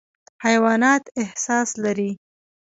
حیوانات احساس لري.